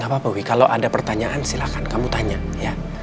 gapapa wi kalau ada pertanyaan silakan kamu tanya ya